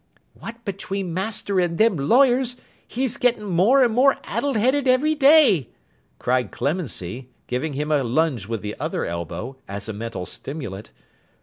'What between master and them lawyers, he's getting more and more addle headed every day!' cried Clemency, giving him a lunge with the other elbow, as a mental stimulant.